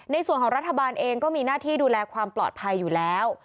ในส่วนของรัฐบาลเองก็มีหน้าที่ดูแลความปลอดภัยอยู่แล้ว